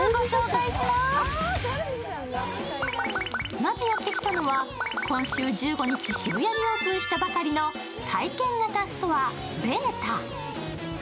まずやってきたのは、今週１５日、渋谷にオープンしたばかりの体験型ストア、ｂ８ｔａ。